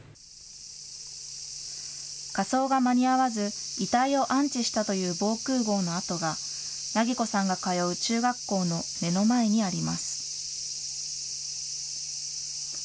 火葬が間に合わず、遺体を安置したという防空ごうの跡が、梛子さんが通う中学校の目の前にあります。